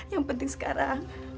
yang penting sekarang